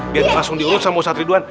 biar langsung diurus sama ustadz ridwan